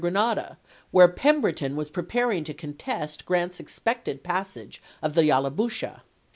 v. Grenada, where Pemberton was preparing to con test Grant's expected passage of the Yallabusha.